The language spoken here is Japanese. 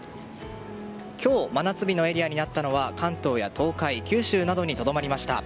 今日、真夏日のエリアになったのは関東や東海九州などにとどまりました。